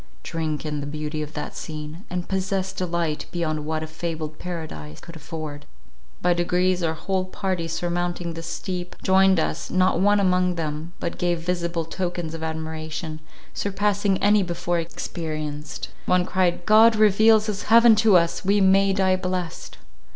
Drink in the beauty of that scene, and possess delight beyond what a fabled paradise could afford." By degrees, our whole party surmounting the steep, joined us, not one among them, but gave visible tokens of admiration, surpassing any before experienced. One cried, "God reveals his heaven to us; we may die blessed."